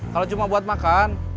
kalau cuma buat makan